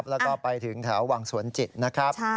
แล้วก็ไปถึงแถววังสวนจิตนะครับ